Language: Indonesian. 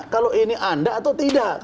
kalau ini anda atau tidak